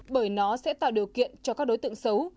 bởi nó sẽ tạo điều kiện cho các đối tượng xấu